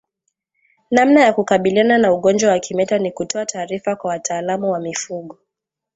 Namna ya kukabiliana na ugonjwa wa kimeta ni kutoa taarifa kwa wataalamu wa mifugo